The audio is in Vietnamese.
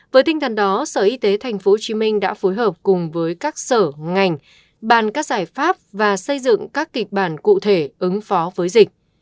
với tinh thần đó sở y tế tp hcm đã phối hợp cùng với các sở ngành bàn các giải pháp và xây dựng các kịch bản cụ thể ứng phó với dịch